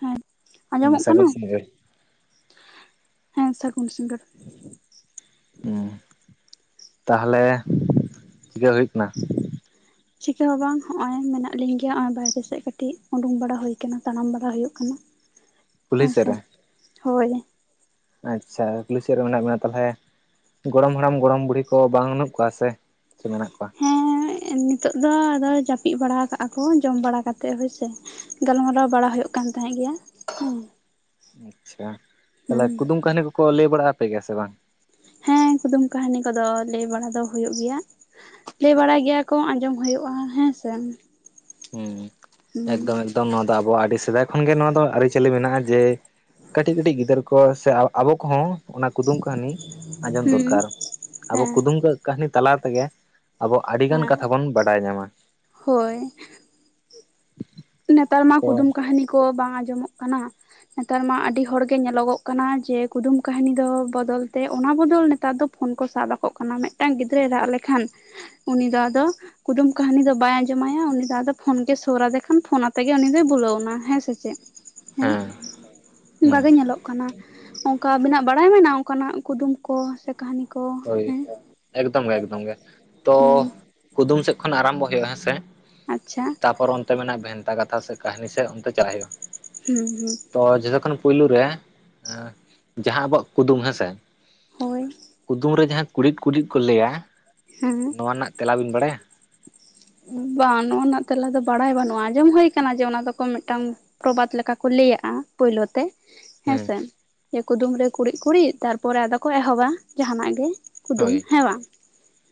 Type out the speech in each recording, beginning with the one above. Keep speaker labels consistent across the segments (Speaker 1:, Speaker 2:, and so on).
Speaker 1: ᱦᱮᱸ
Speaker 2: ᱦᱩᱸ
Speaker 1: ᱟᱸᱡᱚᱢᱚᱜ ᱠᱟᱱᱟ
Speaker 2: ᱥᱟᱹᱜᱩᱱ ᱥᱤᱸᱜᱟᱹᱲ
Speaker 1: ᱦᱮᱸ ᱥᱟᱹᱜᱩᱱ ᱥᱤᱸᱜᱟᱹᱲ
Speaker 2: ᱦᱩᱸ ᱛᱟᱦᱚᱞᱮ ᱪᱤᱠᱟᱹ ᱦᱩᱭᱩᱜ ᱠᱟᱱᱟ
Speaker 1: ᱪᱤᱠᱟ ᱦᱚᱸ ᱵᱟᱝ ᱱᱚᱜᱼᱚᱭ ᱢᱮᱱᱟᱜ ᱞᱤᱧ ᱜᱮᱭᱟ ᱱᱚᱜᱼᱚᱭ ᱵᱟᱭᱨᱮ ᱥᱮᱫ ᱠᱟᱹᱴᱤᱡ ᱩᱰᱩᱝ ᱵᱟᱲᱟ ᱦᱩᱭ ᱠᱟᱱᱟ ᱛᱟᱲᱟᱢ ᱵᱟᱲᱟ ᱦᱩᱭᱩᱜ ᱠᱟᱱᱟ
Speaker 2: ᱠᱩᱞᱦᱤ ᱥᱮᱫ
Speaker 1: ᱟᱪᱪᱷᱟ
Speaker 2: ᱨᱮ
Speaker 1: ᱦᱳᱭ
Speaker 2: ᱟᱪᱪᱷᱟ ᱠᱩᱞᱦᱤ ᱥᱮᱫ ᱨᱮ ᱢᱮᱱᱟᱜ ᱵᱮᱱᱟ ᱛᱟᱦᱚᱞᱮ ᱜᱚᱲᱚᱢ ᱦᱟᱲᱟᱢ ᱜᱚᱲᱚᱢ ᱵᱩᱲᱦᱤ ᱠᱚ ᱵᱟᱱᱩᱜ ᱠᱚᱣᱟ ᱥᱮ ᱪᱮ ᱢᱮᱱᱟᱜ ᱠᱚᱣᱟ?
Speaker 1: ᱦᱮᱸ ᱱᱤᱛᱚᱜ ᱫᱚ ᱟᱫᱚ ᱡᱟᱹᱯᱤᱫ ᱵᱟᱲᱟᱣ ᱠᱟᱜᱼᱟ ᱠᱚ ᱡᱚᱢ ᱵᱟᱲᱟ ᱠᱟᱛᱮ ᱦᱳᱭᱥᱮ ᱜᱟᱞᱢᱟᱨᱟᱣ ᱵᱟᱲᱟ ᱦᱩᱭᱩᱜ ᱠᱟᱱ ᱛᱟᱦᱮᱸᱫ ᱜᱮᱭᱟ ᱦᱮᱸ
Speaker 2: ᱟᱪᱪᱷᱟ ᱛᱟᱦᱚᱞᱮ
Speaker 1: ᱦᱩᱸ
Speaker 2: ᱠᱩᱫᱩᱢ ᱠᱟᱹᱦᱱᱤ ᱠᱚᱠᱚ ᱞᱟᱹᱭ ᱵᱟᱲᱟ ᱟᱯᱮ ᱜᱮᱭᱟ ᱥᱮ ᱵᱟᱝ
Speaker 1: ᱦᱮᱸ ᱠᱩᱫᱩᱢ ᱠᱟᱹᱦᱱᱤ ᱠᱚᱫᱚ ᱞᱟᱹᱭ ᱵᱟᱲᱟ ᱫᱚ ᱦᱩᱭᱩᱜ ᱜᱮᱭᱟ ᱞᱟᱹᱭ ᱵᱟᱲᱟᱭ ᱜᱮᱭᱟ ᱠᱚ ᱟᱸᱡᱚᱢ ᱦᱩᱭᱩᱜᱼᱟ ᱦᱮᱸᱥᱮ
Speaker 2: ᱦᱩᱸ ᱮᱠᱫᱚᱢ ᱮᱠᱫᱚᱢ ᱱᱚᱣᱟ ᱫᱚ ᱟᱵᱚ ᱟᱹᱰᱤ ᱥᱮᱫᱟᱭ ᱠᱷᱚᱱᱜᱮ ᱱᱚᱣᱟ ᱫᱚ ᱟᱹᱨᱤᱪᱟᱹᱞᱤ ᱢᱮᱱᱟᱜᱼᱟ ᱡᱮ ᱠᱟᱹᱴᱤᱡ ᱠᱟᱹᱴᱤᱡ ᱜᱤᱫᱽᱟᱹᱨ ᱠᱚ ᱥᱮ ᱟ ᱟᱵᱚ ᱠᱚᱦᱚᱸ ᱚᱱᱟ ᱠᱩᱫᱩᱢ ᱠᱟᱹᱦᱱᱤ ᱟᱸᱡᱚᱢ ᱫᱚᱨᱠᱟᱨ ᱟᱵᱚ
Speaker 1: ᱦᱮᱸ
Speaker 2: ᱠᱩᱫᱩᱢ ᱠᱟᱹᱦᱱᱤ ᱛᱟᱞᱟ ᱛᱮᱜᱮ ᱟᱵᱚ ᱟᱹᱰᱤᱜᱟᱱ
Speaker 1: ᱦᱮᱸ
Speaker 2: ᱠᱟᱛᱷᱟ ᱵᱚᱱ ᱵᱟᱰᱟᱭ ᱧᱟᱢᱟ
Speaker 1: ᱦᱳᱭ ᱱᱮᱛᱟᱨ ᱢᱟ
Speaker 2: ᱛᱚ
Speaker 1: ᱠᱩᱫᱩᱢ ᱠᱟᱹᱦᱱᱤ ᱠᱚ ᱵᱟᱝ ᱟᱸᱡᱚᱢᱚᱜ ᱠᱟᱱᱟ ᱱᱮᱛᱟᱨ ᱢᱟ ᱟᱹᱰᱤ ᱦᱚᱲ ᱜᱮ ᱧᱮᱞᱚᱜᱚᱜ ᱠᱟᱱᱟ ᱡᱮ ᱠᱩᱫᱩᱢ ᱠᱟᱹᱟᱦᱱᱤ ᱫᱚ ᱵᱚᱫᱚᱞ ᱛᱮ ᱚᱱᱟ ᱵᱚᱫᱚᱞ ᱱᱮᱛᱟᱨ ᱫᱚ ᱯᱷᱳᱱ ᱠᱚ ᱥᱟᱵ ᱟᱠᱚ ᱠᱟᱱᱟ ᱢᱤᱫᱴᱟᱝ ᱜᱤᱫᱽᱨᱟᱹᱭ ᱨᱟᱜ ᱞᱮᱠᱷᱟᱱ ᱩᱱᱤ ᱫᱚ ᱟᱫᱚ ᱠᱩᱫᱩᱢ ᱠᱟᱹᱦᱱᱤ ᱫᱚ ᱵᱟᱭ ᱟᱸᱡᱚᱢᱟᱭᱟ ᱩᱱᱤ ᱫᱚ ᱟᱫᱚ ᱯᱷᱳᱱ ᱜᱮ ᱥᱳᱨ ᱟᱫᱮ ᱯᱷᱳᱱ ᱟᱛᱮ ᱜᱮ ᱩᱱᱤ ᱫᱚᱭ ᱵᱩᱞᱟᱹᱣ ᱮᱱᱟ ᱦᱮᱸ ᱥᱮ ᱪᱮᱫ ᱦᱮᱸ
Speaker 2: ᱦᱩᱸ
Speaker 1: ᱚᱱᱠᱟ ᱜᱮ ᱧᱮᱞᱚᱜ ᱠᱟᱱᱟ ᱚᱱᱠᱟ ᱟᱵᱤᱱᱟᱜ ᱵᱟᱲᱟᱭ ᱢᱮᱱᱟᱜ ᱚᱱᱠᱟᱱᱟᱜ ᱠᱩᱫᱩᱢ ᱠᱚ ᱥᱮ ᱠᱟᱹᱦᱱᱤ ᱠᱚ
Speaker 2: ᱦᱳᱭ
Speaker 1: ᱦᱮᱸ
Speaker 2: ᱮᱠᱫᱚᱢ ᱜᱮ ᱮᱠᱫᱚᱢ ᱜᱮ ᱛᱚ
Speaker 1: ᱦᱩᱸ
Speaker 2: ᱠᱩᱫᱩᱢ ᱥᱮᱫ ᱠᱷᱚᱱ ᱟᱨᱟᱢᱵᱚ ᱦᱩᱭᱩᱜᱼᱟ ᱦᱮᱸ ᱥᱮᱮ
Speaker 1: ᱟᱪᱪᱷᱟ᱾
Speaker 2: ᱛᱟᱯᱚᱨ ᱚᱱᱛᱮ ᱵᱷᱮᱱᱛᱟ ᱠᱟᱛᱷᱟ ᱥᱮ ᱠᱟᱹᱦᱱᱤ ᱥᱮ ᱚᱱᱛᱮ ᱪᱟᱞᱟᱜ ᱦᱩᱭᱩᱜᱼᱟ᱾
Speaker 1: ᱦᱩᱸ ᱦᱩᱸ᱾
Speaker 2: ᱛᱚ ᱡᱷᱚᱛᱚ ᱠᱷᱚᱱ ᱯᱩᱭᱞᱩ ᱨᱮ ᱡᱟᱦᱟᱸ ᱟᱵᱚᱣᱟᱜ ᱠᱩᱫᱩᱢ ᱦᱮᱸᱥᱮ᱾
Speaker 1: ᱦᱳᱭᱻ᱾
Speaker 2: ᱠᱩᱫᱩᱢ ᱨᱮ ᱡᱟᱦᱟᱸ ᱠᱩᱲᱤᱫ ᱠᱩᱲᱤᱫ ᱠᱚ ᱞᱟᱹᱭᱟ
Speaker 1: ᱦᱮᱸ
Speaker 2: ᱱᱚᱣᱟ ᱨᱮᱱᱟᱜ ᱛᱮᱞᱟ ᱵᱤᱱ ᱵᱟᱲᱟᱭᱟ?
Speaker 1: ᱵᱟᱝ ᱱᱚᱣᱱᱟᱜ ᱨᱮᱱᱟᱜ ᱛᱮᱞᱟ ᱫᱚ ᱵᱟᱲᱟᱭ ᱵᱟᱹᱱᱩᱜᱼᱟ ᱟᱸᱡᱚᱢ ᱦᱩᱭ ᱟᱠᱟᱱᱟ ᱡᱮ ᱚᱱᱟ ᱫᱚᱠᱚ ᱢᱤᱫᱴᱟᱝ, ᱯᱨᱚᱵᱟᱫᱽ ᱞᱮᱠᱟ ᱠᱚ ᱞᱟᱹᱭᱟᱜᱼᱟ ᱯᱩᱭᱞᱩ ᱛᱮ᱾
Speaker 2: ᱦᱮᱸ
Speaker 1: ᱦᱮᱸᱥᱮ ᱤᱭᱟᱹ ᱠᱩᱫᱩᱢ ᱨᱮ ᱠᱩᱲᱤᱫ ᱠᱩᱲᱤᱫ ᱛᱟᱨᱯᱚᱨᱮ ᱟᱫᱚ ᱠᱚ ᱮᱦᱚᱵᱟ ᱡᱟᱦᱟᱱᱟᱜ ᱜᱮ᱾ ᱠᱩᱫᱩᱢ
Speaker 2: ᱦᱳᱭ
Speaker 1: ᱦᱮᱵᱟᱝ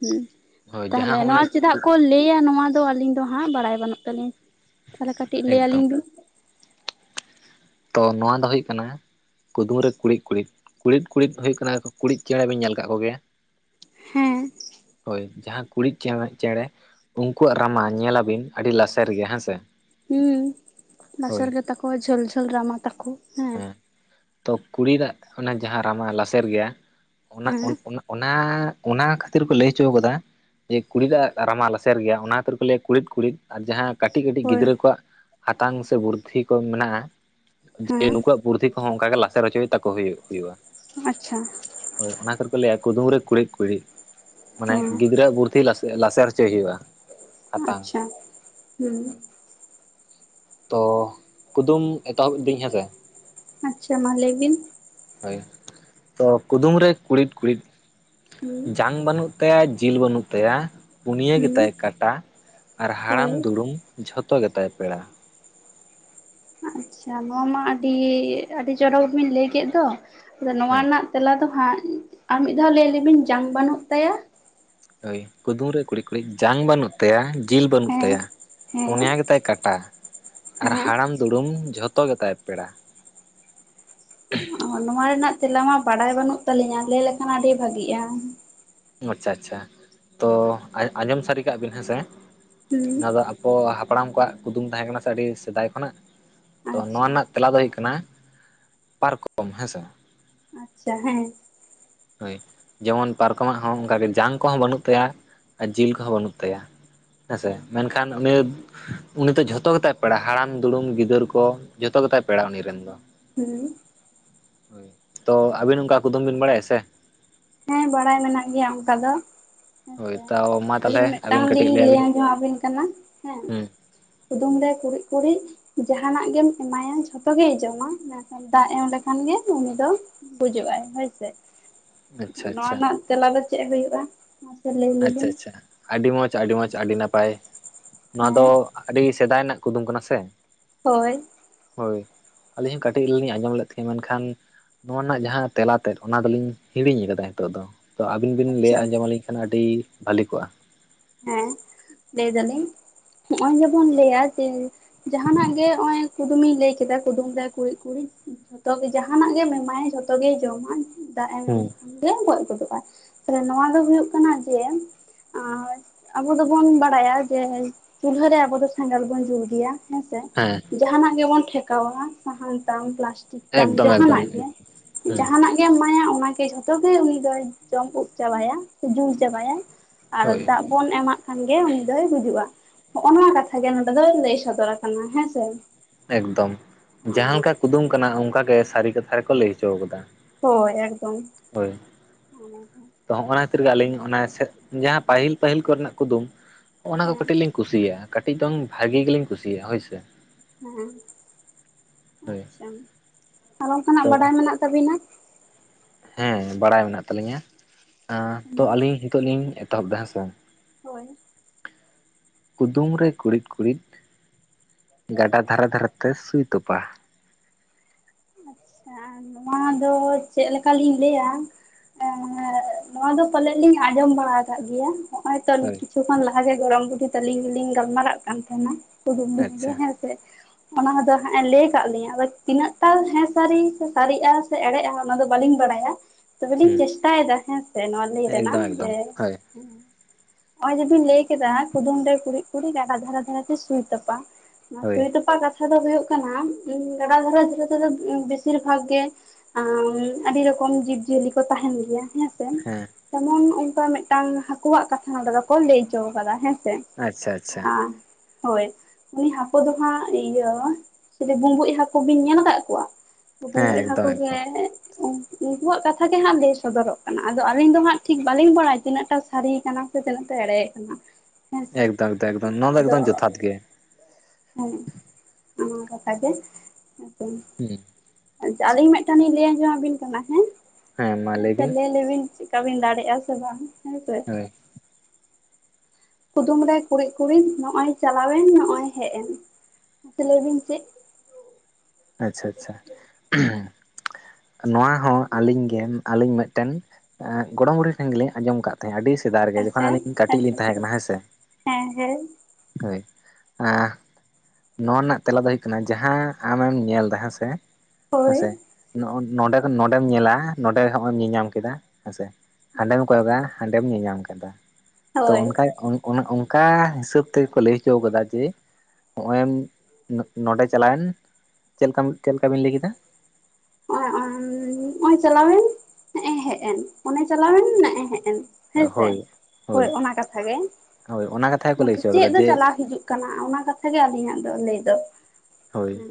Speaker 1: ᱦᱮᱸ
Speaker 2: ᱦᱳᱭ ᱡᱟᱦᱟᱸ
Speaker 1: ᱛᱟᱦᱞᱮ
Speaker 2: ᱦᱚᱸᱜᱼᱱᱟ
Speaker 1: ᱱᱚᱣᱟ ᱪᱮᱫᱟᱜ ᱠᱚ ᱞᱟᱹᱭ᱾ ᱴᱷᱤᱠᱜᱮᱭᱟ ᱱᱚᱣᱟ ᱫᱚ ᱟᱹᱞᱤᱧ ᱫᱚ ᱦᱟᱸᱜ ᱵᱟᱲᱟᱭ ᱵᱟᱹᱱᱩᱜ ᱛᱟᱞᱤᱧᱟ ᱛᱟᱦᱚᱞᱮ ᱠᱟᱹᱴᱤᱡ ᱞᱟᱹᱭ
Speaker 2: ᱮᱠᱫᱚᱢ
Speaker 1: ᱟᱞᱤᱧ ᱵᱤᱱ
Speaker 2: ᱛᱚ ᱱᱚᱣᱟ ᱫᱚ ᱦᱩᱭᱩᱜ ᱠᱟᱱᱟ ᱠᱩᱫᱩᱢ ᱨᱮ ᱠᱩᱲᱤᱫ ᱠᱩᱲᱤᱫ ᱠᱩᱲᱤᱫ ᱠᱩᱤᱫ ᱦᱩᱭᱩᱜ ᱠᱟᱱᱟ ᱠᱩᱲᱤᱫ ᱪᱮᱬᱮ ᱵᱤᱱ ᱧᱮᱞ ᱟᱠᱟᱫ ᱠᱚᱜᱮᱭᱟ᱾
Speaker 1: ᱦᱮᱸ
Speaker 2: ᱦᱳᱭ᱾ ᱡᱟᱦᱟᱸ ᱠᱩᱲᱤᱫ ᱪᱮᱬᱮ ᱪᱮᱬᱮ ᱩᱱᱠᱩᱣᱟᱜ ᱨᱟᱢᱟ ᱧᱮᱞᱟᱵᱤᱱ ᱟᱹᱰᱤ ᱞᱟᱥᱮᱨ ᱜᱮ ᱦᱮᱸᱥᱮ᱾
Speaker 1: ᱦᱩᱸ ᱞᱟᱥᱮᱨ ᱜᱮ ᱛᱟᱠᱚᱣᱟ ᱡᱷᱟᱹᱞ ᱡᱷᱟᱹᱞ ᱨᱟᱢᱟ ᱛᱟᱠᱚ ᱦᱮᱸ᱾
Speaker 2: ᱛᱚ ᱠᱩᱲᱤ ᱫᱟᱜ ᱚᱱᱟ ᱡᱟᱦᱟᱸ ᱨᱟᱢᱟ ᱞᱟᱥᱮᱨ ᱜᱮᱭᱟ ᱚᱱᱟ
Speaker 1: ᱦᱮᱸ
Speaker 2: ᱚᱱ ᱚᱱᱟᱱᱟ᱾ᱬ! ᱚᱱᱟ ᱚᱱᱟ ᱠᱷᱟᱹᱛᱤᱨ ᱠᱚ ᱞᱟᱹᱭ ᱦᱚᱪᱚ ᱟᱠᱟᱫᱟ᱾ ᱡᱮ ᱠᱩᱲᱤᱫᱟᱜ ᱨᱟᱢᱟ ᱞᱟᱥᱮᱨ ᱜᱮᱭᱟ ᱚᱱᱟ ᱠᱷᱟᱹᱤᱨ ᱠᱚ ᱞᱟᱹᱭᱟ ᱠᱩᱲᱤᱫ ᱠᱩᱲᱤᱫ ᱟᱨ ᱡᱟᱦᱟᱸ᱾ ᱠᱟᱹᱴᱤᱡ ᱠᱟᱹᱴᱤᱡ
Speaker 1: ᱦᱳᱭ
Speaker 2: ᱜᱤᱫᱽᱨᱟᱹ ᱠᱚᱣᱟᱜ ᱦᱟᱛᱟᱝ ᱥᱮ ᱵᱩᱨᱫᱷᱤ ᱠᱚ ᱢᱮᱱᱟᱜᱼᱟ᱾ ᱡᱮ
Speaker 1: ᱦᱮᱸ
Speaker 2: ᱱᱩᱠᱩᱣᱟᱜ ᱯᱩᱨᱫᱷᱤ ᱠᱚᱦᱚᱸ ᱚᱱᱠᱟᱟᱜᱮ ᱞᱟᱥᱮᱨ ᱨᱮ ᱦᱚᱪᱚᱭ ᱛᱟᱠᱚ ᱦᱩᱭᱩᱜ ᱦᱩᱭᱩᱜᱼᱟ᱾
Speaker 1: ᱟᱪᱪᱷᱟ᱾
Speaker 2: ᱦᱳᱭ ᱚᱱᱟ ᱠᱷᱟᱹᱛᱤᱨ ᱠᱚ ᱞᱟᱹᱭᱟ ᱠᱩᱫᱩᱢ ᱨᱮ ᱠᱩᱲᱤᱫ ᱠᱩᱲᱤᱫ ᱢᱟᱱᱮ
Speaker 1: ᱦᱮᱸ
Speaker 2: ᱜᱤᱫᱽᱨᱟᱹ ᱵᱩᱫᱷᱤ ᱞᱟᱥᱮᱨ᱾ ᱪᱮᱜ ᱦᱩᱭᱩᱜᱼᱟ᱾ ᱦᱟᱛᱟᱝ
Speaker 1: ᱟᱪᱪᱷᱟ ᱦᱩᱸ᱾
Speaker 2: ᱛᱚ ᱠᱩᱫᱩᱢ ᱮᱛᱚᱦᱚᱵ ᱫᱟᱹᱧ ᱦᱮᱸᱥᱮ᱾
Speaker 1: ᱟᱪᱪᱷᱟ ᱢᱟ ᱞᱟᱹᱭ ᱵᱤᱱ᱾
Speaker 2: ᱦᱳᱭ ᱛᱚ ᱠᱩᱫᱩᱢ ᱨᱮ ᱠᱩᱲᱤᱫ ᱠᱩᱲᱤᱫ
Speaker 1: ᱦᱩᱸ
Speaker 2: ᱡᱟᱝ ᱵᱟᱹᱱᱩᱜ᱾ ᱛᱚ ᱡᱤᱞ ᱵᱟᱹᱱᱩᱜ ᱛᱟᱭᱟ ᱯᱩᱱᱭᱟᱹ
Speaker 1: ᱦᱩᱸ
Speaker 2: ᱜᱮᱛᱟᱭ ᱠᱟᱴᱟ ᱟᱨ ᱦᱟᱲᱟᱢ
Speaker 1: ᱦᱳᱭ
Speaker 2: ᱫᱩᱲᱩᱢᱻ ᱡᱷᱚᱛᱚ ᱜᱮᱛᱟᱭ ᱯᱮᱲᱟ᱾
Speaker 1: ᱟᱪᱪᱷᱟ ᱱᱚᱣᱟ ᱢᱟ ᱟᱹᱰᱤ ᱟᱹᱰᱤ ᱪᱚᱨᱚᱠ ᱵᱤᱱ ᱞᱟᱹᱭ ᱠᱮᱫ ᱫᱚ᱾ ᱟᱫᱚ ᱱᱚᱣᱟ
Speaker 2: ᱦᱮᱸ
Speaker 1: ᱨᱮᱱᱟᱜ ᱛᱮᱞᱟ ᱫᱚ ᱦᱟᱸᱜ ᱟᱨ ᱢᱤᱫ ᱫᱷᱟᱣ ᱞᱟᱹᱭ ᱞᱮᱵᱤᱱ ᱡᱟᱝ ᱵᱟᱹᱱᱩᱜ ᱛᱟᱭᱟ᱾
Speaker 2: ᱦᱳᱭ ᱠᱩᱫᱩᱢ ᱨᱮ ᱠᱩᱲᱤ ᱠᱩᱲᱤ ᱡᱟᱝ ᱵᱟᱹᱱᱩᱜ ᱛᱟᱭᱟ ᱡᱤᱞ ᱵᱟᱹᱱᱩᱜ
Speaker 1: ᱦᱮᱸ
Speaker 2: ᱛᱟᱭᱟ᱾
Speaker 1: ᱦᱮᱸ
Speaker 2: ᱯᱩᱱᱭᱟ ᱜᱮᱛᱟᱭ ᱠᱟᱴᱟ ᱟᱨ
Speaker 1: ᱦᱮᱸ
Speaker 2: ᱦᱟᱲᱟᱢ ᱫᱩᱲᱩᱢ ᱡᱷᱚᱛᱚ ᱜᱮᱛᱟᱭ ᱯᱮᱲᱟ᱾
Speaker 1: ᱱᱚᱣᱟ ᱨᱮᱱᱟᱜ ᱛᱮᱞᱟ ᱢᱟ ᱵᱟᱲᱟᱭ ᱵᱟᱹᱱᱩᱜ ᱛᱟᱹᱞᱤᱧᱟ ᱞᱟᱹᱭ ᱞᱮᱠᱷᱟᱱ ᱟᱹᱰᱤ ᱵᱷᱟᱜᱤᱜᱼᱟ᱾
Speaker 2: ᱟᱪᱪᱷᱟ ᱟᱪᱪᱷᱟ ᱛᱚ ᱟᱸᱡᱚᱢ ᱥᱟᱹᱨᱤ ᱠᱟᱜ ᱵᱤᱱ ᱦᱮᱸᱥᱮ
Speaker 1: ᱦᱩᱸ
Speaker 2: ᱚᱱᱟ ᱫᱚ᱾ ᱟᱵᱚ ᱦᱟᱯᱲᱟᱢ ᱠᱚᱣᱟᱜ ᱠᱩᱫᱩᱢ ᱛᱟᱦᱮᱸ ᱠᱟᱱᱟᱱᱟ ᱥᱮ ᱟᱹᱰᱤ ᱥᱮᱫᱟᱭ ᱠᱷᱚᱱᱟᱜ᱾ ᱛᱚ ᱱᱚᱣᱟ
Speaker 1: ᱟᱪᱪᱷᱟ
Speaker 2: ᱨᱮᱱᱟᱜ ᱛᱮᱞᱟ ᱫᱚ ᱦᱩᱭᱩᱜ ᱠᱟᱱᱟ ᱯᱟᱨᱠᱚᱢ ᱦᱮᱸᱥᱮ᱾
Speaker 1: ᱟᱪᱪᱷᱟ ᱦᱮᱸ᱾
Speaker 2: ᱦᱳᱭ ᱡᱮᱢᱚᱱ ᱯᱟᱨᱠᱚᱢᱟᱜ ᱦᱚᱸ ᱚᱱᱠᱟᱜᱮ ᱡᱟᱝ ᱠᱚᱦᱚᱸ ᱵᱟᱹᱱᱩᱜ ᱛᱟᱭᱟ ᱟᱨ ᱡᱤᱞ ᱠᱚᱦᱚᱸ ᱵᱟᱹᱱᱩᱜ ᱛᱟᱭᱟ᱾ ᱦᱮᱸᱥᱮ
Speaker 1: ᱦᱮᱸ
Speaker 2: ᱢᱮᱱᱠᱷᱟᱱ ᱩᱱᱤ᱾ ᱩᱱᱤ ᱫᱚ ᱡᱷᱚᱛᱚ ᱜᱮᱛᱟᱭ ᱯᱮᱲᱟ ᱦᱟᱲᱟᱢ ᱫᱩᱲᱩᱢ ᱜᱤᱫᱟᱹᱨ ᱠᱚ ᱡᱚᱛᱚ ᱜᱮᱛᱟᱭ ᱯᱮᱲᱟ ᱩᱱᱤ ᱨᱮᱱ ᱫᱚ᱾
Speaker 1: ᱦᱩᱸ
Speaker 2: ᱛᱚ ᱟᱹᱵᱤᱱ ᱚᱱᱠᱟ ᱠᱩᱫᱩᱢ ᱵᱤᱱ ᱵᱟᱲᱟᱭ ᱥᱮ?
Speaker 1: ᱦᱮᱸ ᱵᱟᱲᱟᱭ ᱢᱮᱱᱟᱜ ᱜᱮᱭᱟ ᱚᱱᱠᱟ ᱫᱚ᱾
Speaker 2: ᱦᱳᱭ
Speaker 1: ᱦᱮᱸᱥᱮ
Speaker 2: ᱛᱚ ᱢᱟ ᱛᱟᱦᱚᱞᱮ
Speaker 1: ᱟᱹᱞᱤᱧ ᱢᱤᱫᱴᱟᱝ
Speaker 2: ᱟᱹᱵᱤᱱ ᱠᱟᱹᱴᱤᱡ
Speaker 1: ᱞᱤᱧ
Speaker 2: ᱞᱟᱹᱭᱟ
Speaker 1: ᱞᱟᱹᱭ
Speaker 2: ᱵᱤᱱ
Speaker 1: ᱟᱸᱡᱚᱢ ᱟᱵᱤᱱ ᱠᱟᱱᱟ ᱦᱮᱸ
Speaker 2: ᱦᱩᱸ
Speaker 1: ᱠᱩᱫᱩᱢ ᱨᱮ ᱠᱩᱲᱤᱫ ᱠᱩᱲᱤᱫ ᱡᱟᱦᱟᱱᱟᱜ ᱜᱮᱢ ᱮᱢᱟᱭᱟ ᱡᱷᱚᱛᱚ ᱜᱮᱭ ᱡᱚᱢᱟ᱾ ᱫᱟᱜ ᱮᱢ ᱞᱮᱠᱷᱟᱱ ᱜᱮ ᱩᱱᱤ ᱫᱚ ᱜᱩᱡᱩᱜᱟᱭ ᱦᱳᱭᱥᱮ᱾
Speaker 2: ᱟᱪᱪᱷᱟ
Speaker 1: ᱱᱚᱣᱟ
Speaker 2: ᱟᱪᱪᱷᱟ
Speaker 1: ᱨᱮᱱᱟᱜ ᱛᱮᱞᱟ ᱫᱚ ᱪᱮᱫ ᱦᱩᱭᱩᱜᱼᱟ? ᱞᱟᱹᱭ
Speaker 2: ᱟᱪᱪᱷᱟ
Speaker 1: ᱞᱮᱵᱤᱱ
Speaker 2: ᱟᱪᱪᱷᱟ ᱟᱹᱰᱤ ᱢᱚᱡᱽ ᱟᱹᱰᱤ ᱢᱚᱡᱽ ᱟᱹᱰᱤ ᱱᱟᱯᱟᱭ ᱱᱚᱣᱟ ᱫᱚ᱾
Speaker 1: ᱦᱮᱸ
Speaker 2: ᱟᱹᱰᱤ ᱥᱮᱫᱟᱭ ᱨᱮᱱᱟᱜ ᱠᱩᱫᱩᱢ ᱠᱟᱱᱟ ᱥᱮ᱾
Speaker 1: ᱦᱳᱭ
Speaker 2: ᱦᱳᱭ ᱟᱹᱞᱤᱧ ᱦᱚᱸ ᱠᱟᱹᱴᱤᱡ ᱨᱮ ᱞᱤᱧ ᱟᱸᱡᱚᱢ ᱞᱮᱫ ᱛᱟᱦᱮᱸᱱᱟ ᱢᱮᱱᱠᱷᱟᱱ ᱱᱚᱣᱟ ᱨᱮᱱᱟᱜ ᱡᱟᱦᱟᱸ ᱛᱮᱞᱟ ᱛᱮᱫ ᱚᱱᱟ ᱫᱚᱞᱤᱧ ᱦᱤᱲᱤᱧ ᱟᱠᱟᱫᱟ ᱱᱤᱛᱚᱜ ᱫᱚ᱾ ᱛᱚ ᱟᱹᱵᱤᱱ ᱵᱤᱱ ᱞᱟᱹᱭ
Speaker 1: ᱟᱪᱪᱷᱟ
Speaker 2: ᱟᱸᱡᱚᱢ ᱟᱹᱞᱤᱧ ᱠᱷᱟᱱ ᱟᱹᱰᱤ ᱵᱷᱟᱞᱤ ᱠᱚᱜᱼᱟ᱾
Speaker 1: ᱦᱮᱸ ᱞᱟᱹᱭ ᱫᱟᱞᱤᱧ ᱱᱚᱜᱼᱚᱭ ᱡᱮᱵᱚᱱ ᱞᱟᱹᱭᱟ ᱡᱮ ᱡᱟᱦᱱᱟᱜ ᱜᱮ ᱱᱚᱜᱚᱭ ᱠᱩᱫᱩᱢᱤᱧ ᱞᱟᱹᱭ ᱠᱮᱫᱟ ᱠᱩᱫᱩᱢ ᱨᱮ ᱠᱩᱲᱤᱫ ᱠᱩᱲᱤᱫ ᱡᱚᱛᱚ ᱜᱮ ᱡᱟᱦᱟᱱᱟᱜ ᱜᱮ ᱮᱢᱟᱭᱟ ᱡᱚᱛᱚ ᱜᱮᱭ ᱡᱚᱢᱟᱭ ᱫᱟᱜ ᱮᱢ
Speaker 2: ᱦᱮᱸ
Speaker 1: ᱞᱮᱠᱷᱟᱱᱜ ᱜᱚᱡ ᱜᱚᱫᱚᱜᱼᱟ ᱛᱟᱦᱚᱞᱮ ᱱᱚᱣᱟ ᱫᱚ ᱦᱩᱭᱩᱜ ᱠᱟᱱᱟ ᱡᱮ ᱮᱸ ᱟᱵᱚ ᱫᱚᱵᱚᱱ ᱵᱟᱲᱟᱭᱟ ᱡᱮ ᱪᱩᱞᱦᱟᱹᱨᱮ ᱟᱵᱚ ᱫᱚ ᱥᱮᱸᱜᱮᱞ ᱵᱚᱱ ᱡᱩᱞ ᱜᱮᱭᱟ ᱦᱮᱸᱥᱮ
Speaker 2: ᱦᱮᱸ
Speaker 1: ᱡᱟᱦᱟᱱᱟᱜ ᱜᱮᱵᱚᱱ ᱴᱷᱮᱠᱟᱣᱟ ᱥᱟᱦᱟᱱ ᱛᱟᱢ ᱯᱞᱟᱥᱴᱤᱠ ᱛᱟᱢ
Speaker 2: ᱮᱠᱫᱚᱢ ᱮᱠᱫᱚᱢ
Speaker 1: ᱡᱟᱦᱟᱱᱟᱜ ᱜᱮ
Speaker 2: ᱦᱮᱸ
Speaker 1: ᱡᱟᱦᱟᱱᱟᱜ ᱜᱮ᱾ ᱜᱮ ᱮᱢᱟᱭᱟ ᱚᱱᱟᱜᱮ ᱡᱷᱚᱛᱚ ᱜᱮ ᱩᱱᱤ ᱫᱚᱭ ᱡᱚᱢ ᱩᱵ ᱪᱟᱵᱟᱭᱟ ᱡᱩᱞ ᱪᱟᱵᱟᱭᱟ᱾ ᱟᱨ
Speaker 2: ᱦᱳᱭ
Speaker 1: ᱫᱟᱜ ᱵᱚᱱ ᱮᱢᱟᱜ ᱠᱷᱟᱱᱜᱮ ᱩᱱᱤ ᱫᱚᱭ ᱜᱩᱡᱩᱜᱼᱟ᱾ ᱦᱚᱸᱜᱼᱚ ᱱᱚᱣᱟ ᱠᱟᱛᱷᱟ ᱜᱮ ᱱᱚᱸᱰᱮ ᱫᱚ ᱞᱟᱹᱭ ᱥᱚᱫᱚᱨ ᱟᱠᱟᱱᱟ ᱦᱮᱸ ᱥᱮ
Speaker 2: ᱮᱠᱫᱚᱢ ᱡᱟᱦᱟᱸᱮ ᱞᱮᱠᱟ ᱠᱩᱫᱩᱢ ᱠᱟᱱᱟ ᱚᱱᱠᱟᱜᱮ ᱥᱟᱹᱨᱤ ᱠᱟᱛᱷᱟ ᱨᱮᱠᱚ ᱞᱟᱹᱭ ᱦᱚᱪᱚ ᱟᱠᱟᱫᱟ᱾
Speaker 1: ᱦᱳᱭ ᱮᱠᱫᱚᱢ
Speaker 2: ᱦᱳᱭ
Speaker 1: [unintelligible]
Speaker 2: ᱛᱚ ᱦᱚᱸᱜᱼ ᱚᱱᱟ ᱠᱷᱟᱹᱛᱤᱨ ᱜᱮ ᱟᱹᱞᱤᱧ ᱚᱱᱟ [unintelligible] ᱡᱟᱦᱟᱸ ᱯᱟᱹᱦᱤᱞ ᱯᱟᱹᱦᱤᱞ ᱠᱚᱨᱮᱱᱟᱜ ᱠᱩᱫᱩᱢ ᱚᱱᱟ ᱠᱚ
Speaker 1: ᱦᱮᱸ
Speaker 2: ᱠᱟᱹᱴᱤᱡ ᱞᱤᱧ ᱠᱩᱥᱤᱭᱟᱜᱼᱟ ᱠᱟᱹᱴᱤᱡ ᱫᱚᱝ ᱵᱷᱟᱜᱤ ᱜᱮᱞᱤᱧ ᱠᱩᱥᱤᱭᱟᱜᱼᱟ ᱦᱳᱭᱥᱮ᱾
Speaker 1: ᱦᱮᱸ
Speaker 2: ᱦᱳᱭ
Speaker 1: ᱟᱪᱪᱷᱟ ᱟᱨ ᱚᱱᱠᱟᱱᱟᱜ
Speaker 2: ᱛᱚ
Speaker 1: ᱵᱟᱰᱟᱭ ᱢᱮᱱᱟᱜ ᱛᱟᱵᱤᱱᱟ?
Speaker 2: ᱦᱮᱸ ᱵᱟᱲᱟᱭ ᱢᱮᱱᱟᱜ ᱛᱟᱹᱟᱞᱤᱧᱟ ᱛᱚ ᱟᱹᱞᱤᱧ ᱱᱤᱛᱚᱜ ᱞᱤᱧ ᱮᱛᱚᱦᱚᱵ ᱮᱫᱟ ᱦᱮᱸ ᱥᱮ
Speaker 1: ᱦᱳᱭ
Speaker 2: ᱠᱩᱫᱩᱢ ᱨᱮ ᱠᱩᱲᱤᱫ ᱠᱩᱲᱤᱫ ᱜᱟᱰᱟ ᱫᱷᱟᱨᱮ ᱫᱷᱟᱨᱮ ᱛᱮ ᱥᱩᱭ ᱛᱚᱯᱟ?
Speaker 1: ᱟᱪᱪᱷᱟ ᱱᱚᱣᱟ ᱫᱚ ᱪᱮᱫ ᱞᱮᱠᱟᱞᱤᱧ ᱞᱟᱹᱭᱟ ᱦᱮᱸ ᱱᱚᱣᱟ ᱫᱚ ᱯᱟᱞᱮᱫ ᱞᱤᱧ ᱟᱸᱡᱚᱢ ᱵᱟᱲᱟ ᱟᱠᱟᱫ ᱜᱮᱭᱟ᱾ ᱱᱚᱜ ᱚᱚᱭ ᱛᱚ ᱱᱤᱛ
Speaker 2: ᱦᱳᱭ
Speaker 1: ᱠᱤᱪᱷᱩ ᱠᱷᱚᱱ ᱞᱟᱦᱟ ᱜᱮ ᱜᱚᱲᱚᱢ ᱵᱩᱰᱷᱤ ᱛᱟᱹᱞᱤᱧ ᱜᱮᱞᱤᱧ ᱜᱟᱞᱢᱟᱨᱟᱜ ᱠᱟᱱ ᱛᱟᱸᱦᱮᱱᱟ ᱠᱩᱫᱩᱢ ᱵᱤᱦᱤᱮ
Speaker 2: ᱟᱪᱪᱷᱟ
Speaker 1: ᱦᱮᱸ ᱡᱮ ᱚᱱᱟ ᱫᱚ ᱦᱟᱸᱜ ᱮ ᱞᱟᱹᱭ ᱠᱟᱜ ᱞᱤᱧᱟᱹ ᱟᱫᱚ ᱛᱤᱱᱟᱹᱜ ᱛᱟᱞ ᱦᱮᱸ ᱥᱟᱹᱨᱤ ᱥᱮ ᱥᱟᱨᱤᱜᱼᱟ ᱥᱮ ᱮᱲᱮᱜᱼᱟ ᱚᱱᱟ ᱫᱚ ᱵᱟᱹᱞᱤᱧ ᱵᱟᱲᱟᱭᱟ᱾ ᱛᱚᱵᱮᱞᱤᱧ
Speaker 2: ᱦᱩᱸ
Speaker 1: ᱪᱮᱥᱴᱟᱭᱮᱫᱟ ᱦᱮᱸ ᱥᱮ ᱱᱚᱣᱟ ᱞᱟᱹᱭ
Speaker 2: ᱮᱠᱫᱚᱢ
Speaker 1: ᱨᱮᱱᱟᱜ ᱡᱮ
Speaker 2: ᱮᱠᱫᱚᱢ ᱦᱳᱭ
Speaker 1: ᱦᱮᱸ ᱱᱚᱜ ᱚᱭ ᱡᱮᱵᱤᱱ ᱞᱟᱹᱭ ᱠᱮᱫᱟ ᱠᱩᱫᱩᱢ ᱨᱮ ᱠᱩᱲᱤ ᱠᱩᱲᱤᱫ ᱜᱟᱰᱟ ᱫᱷᱟᱨᱮ ᱫᱷᱟᱨᱟᱛᱮ ᱥᱩᱭ ᱛᱟᱯᱟ [unintelligible]
Speaker 2: ᱦᱳᱭ
Speaker 1: ᱥᱩᱭ ᱛᱚᱯᱟᱜ ᱠᱟᱛᱷᱟ ᱫᱚ ᱦᱩᱭᱩᱜ ᱠᱟᱱᱟ ᱤᱧ ᱜᱟᱰᱟ ᱫᱷᱟᱨᱮ ᱫᱷᱟᱨᱮ ᱫᱚ ᱵᱮᱥᱤᱨ ᱵᱷᱟᱜᱽ ᱜᱮ ᱟᱹᱰᱤ ᱨᱚᱠᱚᱢ ᱡᱤᱵ ᱡᱤᱭᱟᱹᱞᱤ ᱠᱚ ᱛᱟᱦᱮᱱ ᱜᱮᱭᱟ ᱦᱮᱸᱥᱮ
Speaker 2: ᱦᱮᱸ
Speaker 1: [unintelligible] ᱛᱮᱢᱚᱱ ᱚᱱᱠᱟ ᱢᱤᱫᱴᱟᱝ ᱦᱟᱹᱠᱩᱣᱟᱜ ᱠᱟᱛᱷᱟ ᱱᱚᱰᱮ ᱫᱚᱠᱚ ᱞᱟᱹᱭ ᱦᱚᱪᱚ ᱠᱟᱫᱟ ᱦᱮᱸᱥᱮ
Speaker 2: ᱟᱪᱪᱷᱟ ᱟᱪᱪᱷᱟ
Speaker 1: [unintelligible] ᱦᱳᱭ ᱩᱱᱤ ᱦᱟᱹᱠᱩ ᱫᱚᱦᱟᱸᱜ ᱤᱭᱟᱹ ᱵᱩᱸᱵᱩᱡ ᱦᱟᱹᱠᱩ ᱵᱤᱱ ᱧᱮᱞ ᱟᱠᱟᱫ ᱠᱚ ᱩᱳᱭᱟ
Speaker 2: ᱦᱮᱸ
Speaker 1: ᱵᱩᱸᱵᱩᱡ
Speaker 2: ᱮᱠᱫᱚᱢ
Speaker 1: ᱦᱟᱠᱩ ᱜᱮ
Speaker 2: ᱮᱠᱫᱚᱢ
Speaker 1: ᱩᱱᱠᱩᱣᱟᱜ ᱠᱟᱛᱷᱟ ᱜᱮᱦᱟᱸᱜ ᱞᱟᱹᱭ ᱥᱚᱫᱚᱨᱚᱜ ᱠᱟᱱᱟ ᱟᱫᱚ ᱟᱞᱤᱧ ᱫᱚ ᱦᱟᱸᱜ ᱴᱷᱤᱠ ᱵᱟᱟᱹᱞᱤᱧ ᱵᱟᱲᱟᱭᱟ ᱛᱤᱱᱟᱹᱜ ᱴᱟ ᱥᱟᱹᱨᱤᱭᱟ ᱠᱟᱱᱟ᱾ ᱥᱮ ᱛᱤᱱᱟᱹᱴᱟ ᱮᱲᱮᱭᱟᱠᱟᱱᱟ
Speaker 2: ᱮᱠᱫᱚᱢ ᱮᱠᱫᱚᱢ ᱮᱠᱫᱚᱢ ᱱᱚᱣᱟ ᱫᱚ ᱮᱠᱫᱚᱢ ᱡᱚᱛᱷᱟᱛ ᱜᱮ᱾
Speaker 1: ᱦᱮᱸ ᱱᱚᱱᱟ ᱠᱟᱛᱷᱟ ᱜᱮ
Speaker 2: ᱦᱮᱸ
Speaker 1: ᱟᱪᱪᱷᱟ ᱟᱹᱞᱤᱧ ᱢᱤᱫᱴᱟᱝ ᱞᱤᱧ ᱞᱟᱹᱭ ᱟᱸᱡᱚᱢᱟᱵᱤᱱ ᱠᱟᱱᱟ ᱦᱮᱸ,
Speaker 2: ᱦᱮᱸ ᱢᱟ
Speaker 1: ᱟᱪᱪᱷᱟ
Speaker 2: ᱵᱤᱱ
Speaker 1: ᱞᱟᱹᱭ ᱞᱮᱵᱤᱱ ᱪᱮᱫ ᱠᱟᱵᱤᱱ ᱫᱟᱲᱮᱭᱟᱜᱼᱟ ᱥᱮ ᱵᱟᱝ ᱦᱮᱸ‌ ᱥᱮ
Speaker 2: ᱦᱳᱭ
Speaker 1: ᱠᱩᱫᱩᱢ ᱨᱮ ᱠᱩᱢᱤᱫ ᱠᱩᱬᱤᱫ ᱱᱚᱜ-ᱚᱭ ᱪᱟᱞᱟᱣᱮᱱ ᱱᱚᱜ-ᱚᱭ ᱦᱮᱡ ᱮᱱ ᱢᱟᱥᱮ ᱞᱟᱹᱭ ᱵᱤᱱ ᱪᱮᱫ?
Speaker 2: ᱟᱪᱪᱷᱟ ᱟᱪᱪᱷᱟ ᱱᱚᱣᱟ ᱦᱚᱸ ᱟᱹᱞᱤᱧ ᱜᱮ ᱟᱹᱞᱤᱧ ᱢᱤᱫᱴᱮᱱ ᱜᱚᱲᱚᱢ ᱵᱩᱲᱦᱤ ᱴᱷᱮᱱ ᱜᱮᱞᱤᱧ ᱟᱸᱡᱚᱢ ᱟᱠᱟᱫ ᱛᱟᱸᱦᱮᱱ ᱟᱹᱰᱤ ᱥᱮᱫᱟᱭ ᱨᱮᱜᱮ ᱡᱚᱠᱷᱚᱱ
Speaker 1: ᱟᱪᱪᱷᱟ
Speaker 2: ᱟᱹᱞᱤᱧ ᱠᱟᱹᱴᱤᱡ ᱞᱤᱧ
Speaker 1: ᱟᱪᱪᱷᱟ
Speaker 2: ᱛᱟᱦᱮᱸ ᱠᱟᱱᱟ ᱦᱮᱸ ᱥᱮ
Speaker 1: ᱦᱮᱸ ᱦᱮᱸ
Speaker 2: ᱦᱳᱭ, ᱟᱸᱻ ᱱᱚᱣᱟ ᱨᱮᱱᱟᱜ ᱛᱮᱞᱟ ᱫᱚ ᱦᱩᱭᱩᱜ ᱠᱟᱱᱟ ᱡᱟᱦᱟᱸ ᱟᱢᱮᱢ ᱧᱮᱞᱫᱟ ᱦᱮᱸ ᱥᱮ, ᱦᱮᱸ ᱥᱮ
Speaker 1: ᱦᱳᱭ
Speaker 2: ᱱᱚ ᱱᱚᱰᱮ ᱱᱚᱰᱮᱢ ᱧᱮᱞᱟ ᱱᱚᱰᱮ ᱦᱚᱸᱜᱼᱚᱭᱢ ᱧᱮᱞᱧᱟᱢ ᱠᱮᱫᱟ ᱦᱮᱸᱥᱮ ᱦᱟᱸᱰᱮᱢ ᱠᱚᱭᱚᱜᱟ ᱦᱟᱸᱰᱮᱢ ᱧᱮᱧᱟᱢ ᱠᱮᱫᱟ ᱛᱚ
Speaker 1: ᱦᱳᱭ
Speaker 2: ᱚᱱᱠᱟ ᱚᱱ ᱚᱱ ᱚᱱᱠᱟ ᱦᱤᱥᱟᱹᱵ ᱛᱮᱜᱮ ᱠᱚ ᱞᱟᱹᱭ ᱦᱚᱪᱚ ᱠᱟᱫᱟ ᱡᱮ ᱦᱚᱸᱜᱼᱚᱭ ᱱᱚᱸᱰᱮ ᱪᱟᱞᱟᱣᱮᱱ ᱪᱮᱫ ᱞᱮᱠᱟ ᱪᱮᱫ ᱞᱮᱠᱟ ᱵᱤᱱ ᱞᱟᱹᱭ ᱠᱮᱫᱟ
Speaker 1: ᱟᱢᱻ ᱱᱚᱜ-ᱚᱭ ᱪᱟᱞᱟᱣᱮᱱ ᱱᱚᱜ-ᱚᱭ ᱦᱮᱡ ᱮᱱ ᱚᱱᱮ ᱪᱟᱞᱟᱣᱮᱱ ᱮᱱ-ᱮ ᱦᱮᱡ ᱮᱱ ᱦᱮᱸ ᱥᱮ,
Speaker 2: ᱦᱳᱭ
Speaker 1: ᱦᱳᱭ ᱚᱱᱟ ᱠᱟᱛᱷᱟ ᱜᱮ
Speaker 2: ᱦᱳᱭ ᱚᱱᱟ ᱠᱟᱛᱷᱟ ᱜᱮᱠᱚ ᱞᱟᱹᱭ
Speaker 1: ᱢᱟᱱᱮ
Speaker 2: ᱦᱚᱪᱚ
Speaker 1: ᱪᱮᱫ
Speaker 2: ᱠᱟᱫᱟ
Speaker 1: ᱫᱚ
Speaker 2: ᱡᱮ
Speaker 1: ᱪᱟᱞᱟᱣ ᱦᱤᱡᱩᱜ ᱠᱟᱱᱟ ᱚᱱᱟ ᱠᱟᱛᱷᱟ ᱜᱮ ᱟᱹᱞᱤᱧᱟᱜ ᱫᱚ ᱞᱟᱹᱭ ᱫᱚ
Speaker 2: ᱦᱳᱭ
Speaker 1: ᱦᱮᱸ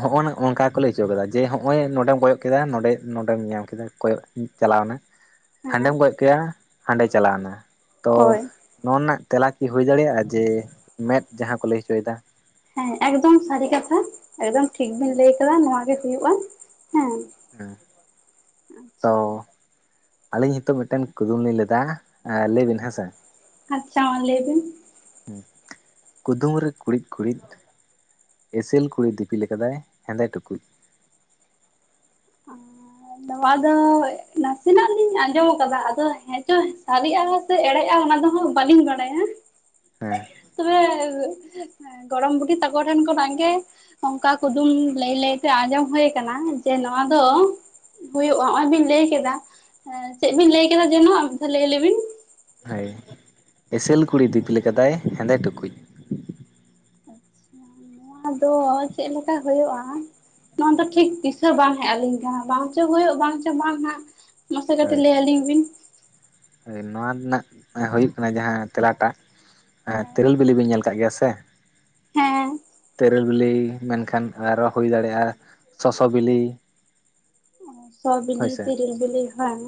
Speaker 2: ᱦᱚᱸᱜᱼᱚᱭ ᱚᱝᱠᱟ ᱜᱮᱠᱚ ᱞᱟᱹᱭ ᱦᱚᱪᱚᱣ ᱠᱮᱫᱟ ᱡᱮ ᱱᱚᱜᱼᱚᱭ ᱱᱚᱸᱰᱮᱢ ᱠᱚᱭᱚᱜ ᱠᱮᱫᱟ ᱱᱚᱰᱮ ᱱᱚᱰᱮᱢ ᱧᱟᱢ ᱠᱮᱫᱟ ᱠᱚᱭᱚᱜ ᱪᱟᱞᱟᱣᱱᱟ
Speaker 1: [inaudible]
Speaker 2: ᱦᱟᱸᱰᱮᱢ ᱠᱚᱭᱚᱜ ᱠᱮᱜ-ᱟ ᱦᱟᱸᱰᱮ ᱪᱟᱞᱟᱣᱱᱟ ᱛᱚ
Speaker 1: ᱦᱳᱭ
Speaker 2: ᱱᱚᱣᱟ ᱨᱮᱱᱟᱜ ᱛᱮᱞᱟ ᱠᱤ ᱦᱩᱭ ᱫᱟᱲᱮᱭᱟᱜᱼᱟ ᱡᱮ ᱢᱮᱸᱫ ᱡᱟᱦᱟᱸ ᱠᱚ ᱞᱟᱹᱭ ᱦᱚᱪᱚᱭᱮᱫᱟ
Speaker 1: ᱦᱮᱸ ᱮᱠᱫᱚᱢ ᱥᱟᱹᱨᱤ ᱠᱟᱛᱷᱟ ᱮᱠᱫᱚᱢ ᱴᱷᱤᱠ ᱵᱤᱱ ᱞᱟᱹᱭ ᱟᱠᱟᱫᱟ ᱱᱚᱶᱟ ᱜᱮ ᱦᱩᱭᱩ-ᱟ ᱦᱮᱸ᱾
Speaker 2: ᱦᱮᱸ ᱛᱚ
Speaker 1: ᱟᱪᱪᱷᱟ
Speaker 2: ᱟᱹᱞᱤᱧ ᱦᱤᱛᱚᱜ ᱢᱤᱫᱴᱮᱱ ᱠᱩᱫᱩᱢ ᱞᱤᱧ ᱞᱟᱹᱭ ᱫᱟ ᱞᱟᱹᱭ ᱵᱤᱱ ᱦᱮᱸᱥᱮ
Speaker 1: ᱟᱪᱪᱷᱟ ᱞᱟᱹᱭ ᱵᱤᱱ
Speaker 2: ᱦᱩᱸ, ᱠᱩᱫᱩᱢ ᱨᱮ ᱠᱩᱬᱤᱫ ᱠᱩᱬᱤᱫ ᱮᱥᱮᱞ ᱠᱩᱲᱤ ᱫᱤᱯᱤᱞ ᱟᱠᱟᱫᱟᱭ ᱦᱮᱸᱫᱮ ᱴᱩᱠᱩᱡ
Speaker 1: ᱱᱚᱣᱟ ᱫᱚ ᱱᱟᱥᱮᱱᱟᱜ ᱞᱤᱧ ᱟᱸᱡᱚᱢ ᱟᱠᱟᱫᱟ ᱟᱫᱚ ᱦᱮᱸ ᱪᱚ ᱥᱟᱨᱤᱜ-ᱟ᱾ ᱥᱮ ᱮᱲᱮᱜᱼᱟ ᱚᱱᱟ ᱫᱚ ᱦᱟᱸᱜ ᱵᱟᱹᱞᱤᱧ ᱵᱟᱲᱟᱭᱟ
Speaker 2: ᱦᱮᱸ
Speaker 1: ᱛᱚᱵᱮ ᱦᱮᱸ, ᱜᱚᱲᱚᱢ ᱵᱩᱰᱦᱤ ᱛᱟᱠᱚ ᱴᱷᱮᱱ ᱠᱷᱚᱱᱟᱜ ᱜᱮ ᱚᱝᱠᱟ ᱠᱩᱫᱩᱢ ᱞᱟᱹᱭ ᱞᱟᱹᱭ ᱛᱮ ᱟᱸᱡᱚᱢ ᱦᱩᱭ ᱟᱠᱟᱱᱟ ᱡᱮ ᱱᱚᱣᱟ ᱫᱚ ᱦᱩᱭᱩᱜᱼᱟ ᱦᱚᱸᱜ-ᱚᱭ ᱵᱤᱱ ᱞᱟᱹᱭ ᱠᱮᱫᱟ ᱪᱮᱫ ᱵᱤᱱ ᱞᱟᱹᱭ ᱠᱮᱫᱟ, ᱮᱸ ᱪᱮᱫ ᱵᱤᱱ ᱞᱟᱹᱭ ᱠᱮᱫᱟ ᱡᱮᱱᱚ ᱟᱨ ᱢᱤᱫ ᱫᱷᱟᱣ ᱞᱟᱹᱭ ᱞᱮᱵᱤᱱ
Speaker 2: ᱦᱳᱭ ᱮᱥᱮᱞ ᱠᱩᱲᱤ ᱫᱤᱯᱤᱞ ᱟᱠᱟᱫᱟᱭ ᱦᱮᱸᱫᱮ ᱴᱩᱠᱩᱡ
Speaker 1: [unintelligible] ᱱᱚᱣᱟ ᱫᱚ ᱪᱮᱫ ᱞᱮᱠᱟ ᱦᱩᱭᱩᱜ-ᱟ᱾ ᱱᱚᱣᱟ ᱫᱚ ᱴᱷᱤᱠ ᱫᱤᱥᱟᱹ ᱵᱟᱝ ᱦᱮᱡ ᱟᱞᱤᱧ ᱠᱟᱱᱟ ᱵᱟᱝ ᱪᱚ ᱦᱩᱭᱩᱜ ᱵᱟᱝ ᱪᱚ ᱵᱟᱝ ᱦᱟᱸᱜ ᱢᱟᱥᱮ ᱠᱟᱹᱴᱤᱡ
Speaker 2: ᱦᱳᱭ
Speaker 1: ᱞᱟᱹᱭ ᱟᱞᱤᱧ ᱵᱤᱱ
Speaker 2: ᱦᱳᱭ ᱱᱚᱣᱟ ᱨᱮᱱᱟᱜ ᱦᱩᱭᱩᱜ ᱠᱟᱱᱟ ᱡᱟᱦᱟᱸ ᱛᱮᱞᱟ ᱴᱟᱜ ᱦᱮᱸ ᱛᱮᱨᱮᱞ ᱵᱤᱞᱤ ᱵᱮᱱ ᱧᱮᱞ ᱟᱠᱟᱫ ᱜᱮᱭᱟ ᱥᱮ
Speaker 1: ᱦᱮᱸ
Speaker 2: ᱛᱮᱨᱮᱞ ᱵᱤᱞᱤ ᱢᱮᱱᱠᱷᱟᱱ ᱟᱨᱚ ᱦᱩᱭ ᱫᱟᱲᱮᱭᱟᱜᱼᱟ ᱥᱚᱥᱚ ᱵᱤᱞᱤ
Speaker 1: ᱚ, ᱥᱚ ᱵᱤᱞᱤ
Speaker 2: ᱦᱳᱭᱥᱮ
Speaker 1: ᱛᱮᱨᱮᱞ ᱵᱤᱞᱤ ᱦᱚᱸ